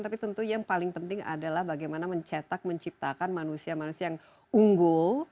tapi tentu yang paling penting adalah bagaimana mencetak menciptakan manusia manusia yang unggul